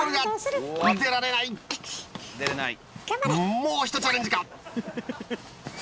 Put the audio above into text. もうひとチャレンジか？